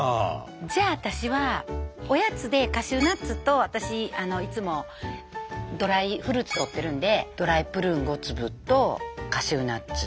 じゃあ私はおやつでカシューナッツと私いつもドライフルーツとってるんでドライプルーン５粒とカシューナッツ。